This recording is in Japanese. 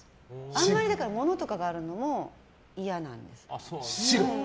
あんまり物とかがあるのは嫌なんです。